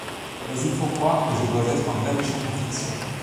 Mais il faut croire que je dois être un vrai méchant de fiction.